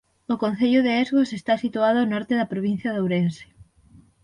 O concello de Esgos está situado ao norte da provincia de Ourense.